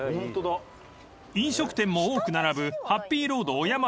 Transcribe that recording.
［飲食店も多く並ぶハッピーロード尾山台］